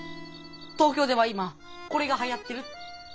東京では今これがはやってるって。